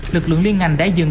lực lượng liên ngành đã dừng